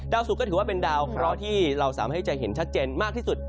สุกก็ถือว่าเป็นดาวเคราะห์ที่เราสามารถให้จะเห็นชัดเจนมากที่สุด